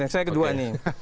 saya kedua nih